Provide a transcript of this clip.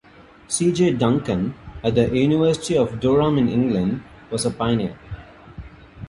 C. J. Duncan, at the University of Durham in England, was a pioneer.